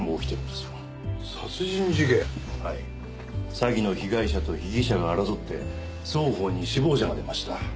詐欺の被害者と被疑者が争って双方に死亡者が出ました。